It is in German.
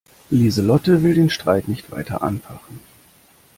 Lieselotte will den Streit nicht weiter anfachen.